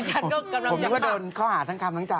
ดิฉันก็กำลังจะฆ่าผมก็โดนเข้าหาทั้งคำทั้งจำ